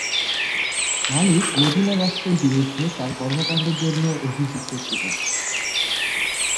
মালিক Medina রাষ্ট্রের বিরুদ্ধে তার কর্মকাণ্ডের জন্য অভিযুক্ত ছিলেন।